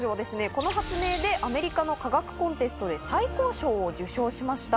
この発明でアメリカの科学コンテストで最高賞を受賞しました。